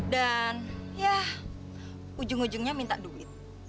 dan ya ujung ujungnya minta duit